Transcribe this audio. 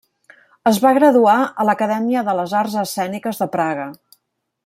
Es va graduar a l'Acadèmia de les Arts Escèniques de Praga.